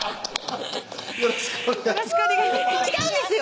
よろしくお願いします